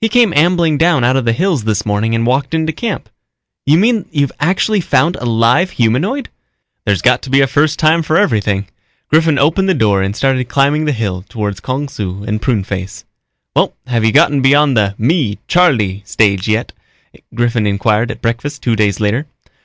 "He came ambling down out of the hills this morning and walked into camp." "You mean you've actually found a live humanoid?" "There's got to be a first time for everything." Griffin opened the door and started climbing the hill toward Kung Su and Pruneface. "Well, have you gotten beyond the 'me, Charlie' stage yet?" Griffin inquired at breakfast two days later.